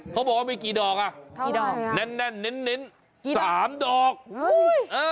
เขาบอกว่ามีกี่ดอกอ่ะแน่นนิ้นสามดอกอุ๊ย